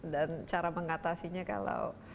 dan cara mengatasinya kalau